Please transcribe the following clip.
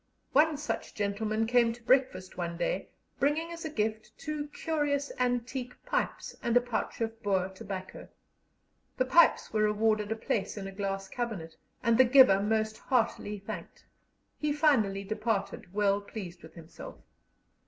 One such gentleman came to breakfast one day, bringing as a gift two curious antique pipes and a pouch of Boer tobacco. The pipes were awarded a place in a glass cabinet, and the giver most heartily thanked; he finally departed, well pleased with himself.